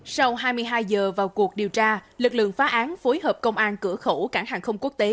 sau hai mươi hai giờ vào cuộc điều tra lực lượng phá án phối hợp công an cửa khẩu cảng hàng không quốc tế